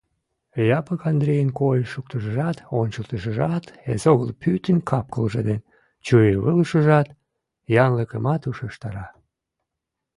Япык Андрийын койыш-шоктышыжат, ончалтышыжат, эсогыл пӱтынь капкылже ден чурийвылышыжат янлыкымак ушештара.